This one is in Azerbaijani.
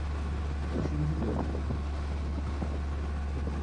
Üçüncü dövrün.